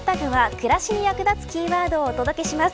暮らしに役立つキーワードをお届けします。